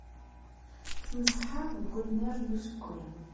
Tneṣṣeḥ-aɣ deg wenrar n ussewwi.